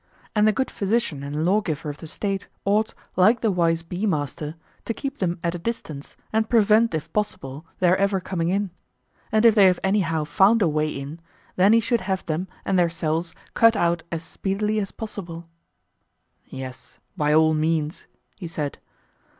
And the good physician and lawgiver of the State ought, like the wise bee master, to keep them at a distance and prevent, if possible, their ever coming in; and if they have anyhow found a way in, then he should have them and their cells cut out as speedily as possible. Yes, by all means, he said.